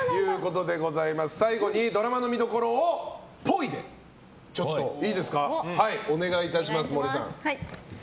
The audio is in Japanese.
最後にドラマの見どころをっぽいでお願いいたします。